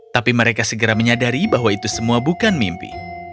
tapi mereka segera menyadari bahwa itu semua bukan mimpi